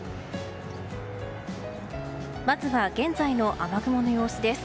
まずは現在の雨雲の様子です。